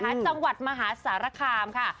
จังหวัดมหาสารคามค่ะ